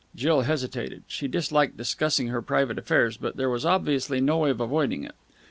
Jill hesitated. She disliked discussing her private affairs, but there was obviously no way of avoiding it.